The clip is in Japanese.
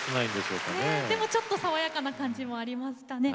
でもちょっと爽やかな感じもありますかね。